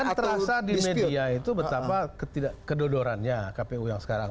yang terasa di media itu betapa kedodorannya kpu yang sekarang